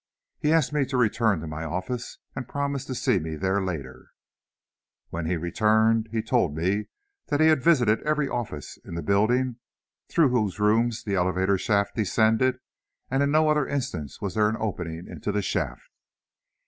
He asked me to return to my office, and promised to see me there later. When he returned, he told me that he had visited every other office in the building through whose rooms the elevator shaft descended and in no other instance was there an opening into the shaft.